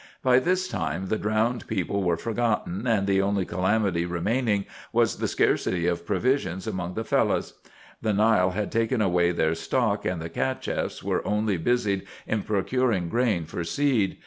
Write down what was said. By this time the drowned people were forgotten, and the only calamity remaining was the scarcity of provisions among the Fellahs. The Nile had taken away their stock, and the Cacheffs were only busied in procuring grain for seed.